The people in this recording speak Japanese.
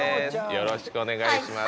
よろしくお願いします。